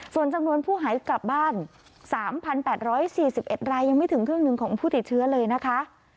ส่วนจำนวนผู้หายกลับบ้าน๓๘๔๑รายยังไม่ถึงครึ่งหนึ่งของผู้ติดเชื้อเลยนะคะ